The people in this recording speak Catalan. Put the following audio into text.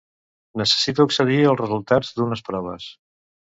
Necessito accedir al resultat d'unes proves.